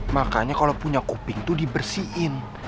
makanya kalo punya kuping tuh dibersihin